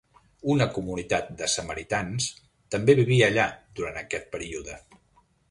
Una comunitat de samaritans també vivia allà durant aquest període.